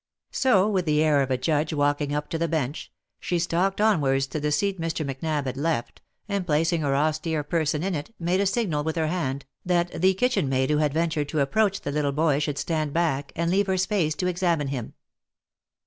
So, with the air of a judge walking up to the bench, she stalked onwards to the seat Mr. Mac nab had left, and placing her austere person in it, made a signal with her hand, that the kitchen maid who had ventured to approach the little boy should stand back, and leave her space to examine him.